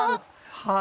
はい。